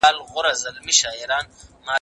که خلګ انصاف وکړي، باور زیاتېږي.